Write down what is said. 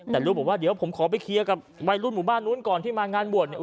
แต่ลูกบอกว่าเดี๋ยวผมขอไปเคลียร์กับวัยรุ่นหมู่บ้านนู้นก่อนที่มางานบวชเนี่ย